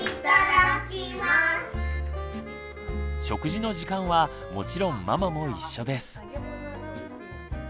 食事の時間はもちろんママも一緒です。